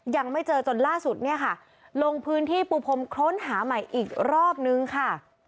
ยังไม่เจอจนล่าสุดเนี่ยค่ะลงพื้นที่ปูพรมค้นหาใหม่อีกรอบนึงค่ะ